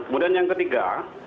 kemudian yang ketiga